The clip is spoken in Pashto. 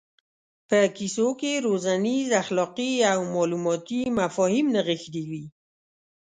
په کیسو کې روزنیز اخلاقي او معلوماتي مفاهیم نغښتي وي.